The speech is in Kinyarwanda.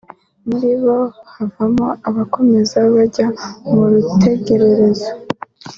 muri bo hakavamo abakomeza n’abajya mu rutegererezo